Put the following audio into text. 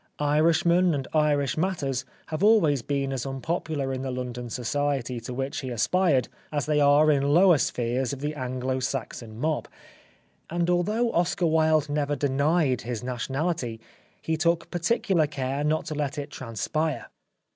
Irishmen and Irish matters have always been as unpopular in the London society to which he aspired, as they are in lower spheres of the Anglo Saxon Mob ; and although Oscar Wilde never denied his nation ality he took particular care not to let it trans spire.